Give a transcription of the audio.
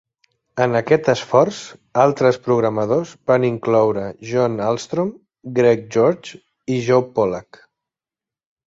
En aquest esforç, altres programadors van incloure John Ahlstrom, Greg George i Joe Polak.